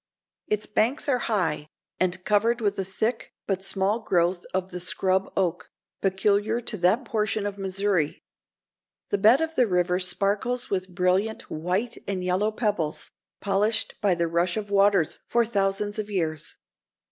Its banks are high, and covered with a thick but small growth of the "scrub" oak, peculiar to that portion of Missouri. The bed of the river sparkles with brilliant white and yellow pebbles, polished by the rush of waters for thousands of years.